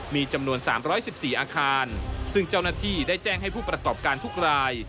มีจำนวนสามร้อยสิบสี่อาคารซึ่งเจ้าหน้าที่ได้แจ้งให้ผู้ประตอบการทุกราย